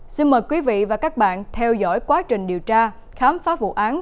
xin mời quý vị và các bạn theo dõi quá trình điều tra khám phá vụ án